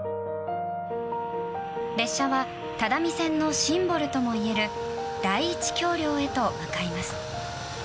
列車は只見線のシンボルともいえる第一橋梁へと向かいます。